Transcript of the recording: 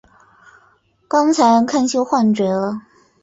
刚才看见幻觉了！